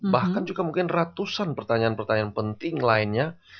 bahkan juga mungkin ratusan pertanyaan pertanyaan penting lainnya